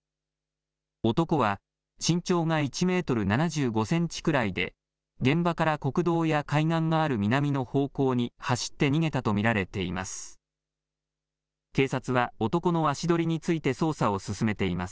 男は身長が１メートル７５センチくらいで、現場から国道や海岸のある南の方向に走って逃げたと見られています。